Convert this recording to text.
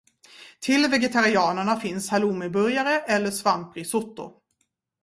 Till vegetarianerna finns halloumiburgare eller svamprisotto.